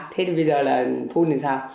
thế thì bây giờ là phun làm sao